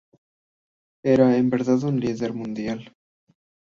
Era en verdad un líder mundial.